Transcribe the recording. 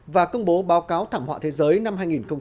và công bố báo cáo thẳng họa thế giới năm hai nghìn một mươi sáu